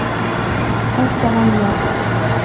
حج ته هم لاړ شه.